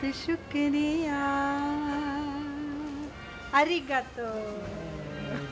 ありがとう。